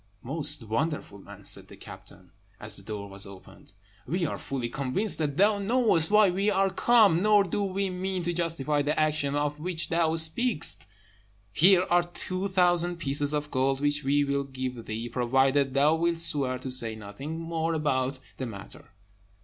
"Most wonderful man!" said the captain, as the door was opened, "we are fully convinced that thou knowest why we are come, nor do we mean to justify the action of which thou speakest. Here are two thousand pieces of gold, which we will give thee, provided thou wilt swear to say nothing more about the matter."